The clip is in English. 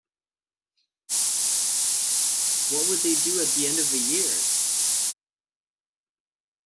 What would they do at the end of a year?